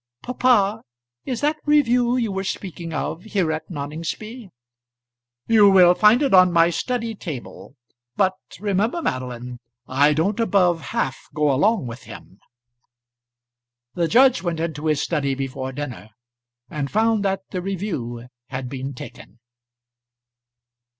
"Papa, is that review you were speaking of here at Noningsby?" "You will find it on my study table; but remember, Madeline, I don't above half go along with him." The judge went into his study before dinner, and found that the review had been taken.